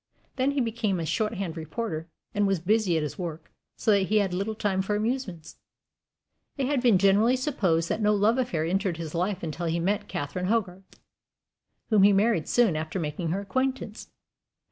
Then he became a shorthand reporter, and was busy at his work, so that he had little time for amusements. It has been generally supposed that no love affair entered his life until he met Catherine Hogarth, whom he married soon after making her acquaintance.